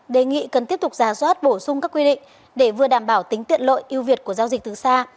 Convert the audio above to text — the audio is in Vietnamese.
đề nghị cần tiếp tục giả soát bổ sung các quy định để vừa đảm bảo tính tiện lội yêu việt của giao dịch từ xa